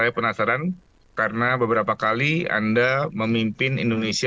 saya penasaran karena beberapa kali anda memimpin indonesia